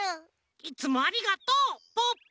いつもありがとうポッポ。